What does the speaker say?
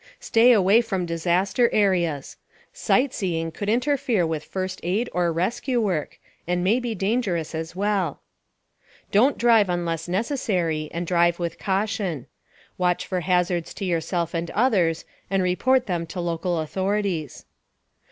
Stay away from disaster areas. Sightseeing could interfere with first aid or rescue work, and may be dangerous as well. Don't drive unless necessary, and drive with caution. Watch for hazards to yourself and others, and report them to local authorities.